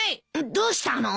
どうしたの？